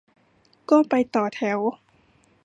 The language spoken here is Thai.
ก็ไปต่อแถว